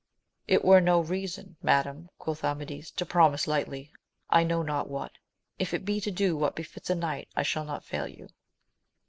It were no reason, madam, quoth Amadis, to promise lightly, I know not what : if it be to do. what befits a knight, I shall not fail you.